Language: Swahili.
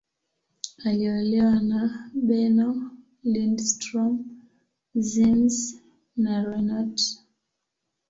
Aliolewa na Bernow, Lindström, Ziems, na Renat.